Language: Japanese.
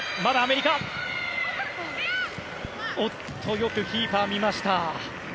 よくキーパー、見ました。